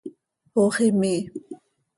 Ox imii.